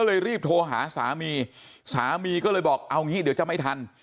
ก็เลยรีบโทรหาสามีก็เลยบอกเอานี่เดี๋ยวจะไม่ทัน